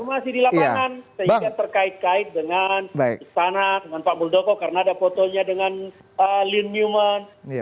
informasi di lapangan sehingga terkait kait dengan istana dengan pak muldoko karena ada fotonya dengan lin newman